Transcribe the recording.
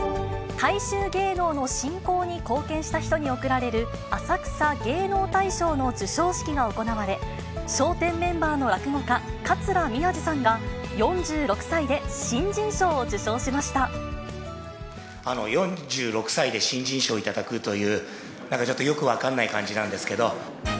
大衆芸能の振興に貢献した人に贈られる浅草芸能大賞の授賞式が行われ、笑点メンバーの落語家、桂宮治さんが、４６歳で新人賞を４６歳で新人賞を頂くという、なんかちょっとよく分かんない感じなんですけど。